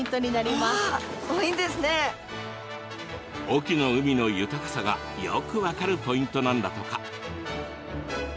隠岐の海の豊かさがよく分かるポイントなんだとか。